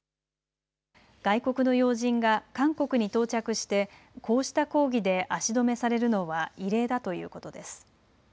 外国の要人が韓国に到着してこうした抗議で足止めされるのは異例だということです。